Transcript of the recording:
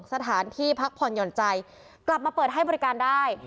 สถานที่พักผ่อนหย่อนใจกลับมาเปิดให้บริการได้